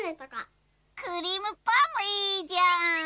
クリームパンもいいじゃーん。